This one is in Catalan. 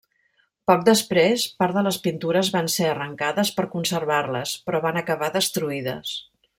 Poc després part de les pintures van ser arrencades per conservar-les, però van acabar destruïdes.